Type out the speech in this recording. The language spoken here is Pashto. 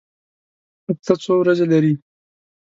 هفته څو ورځې لري؟